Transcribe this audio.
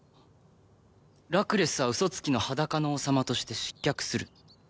ラクレスはウソつきの裸の王様として失脚する。